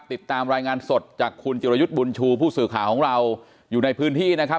ปกติพี่สาวเราเนี่ยครับเป็นคนเชี่ยวชาญในเส้นทางป่าทางนี้อยู่แล้วหรือเปล่าครับ